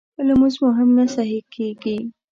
لمونځ مو هم نه صحیح کېږي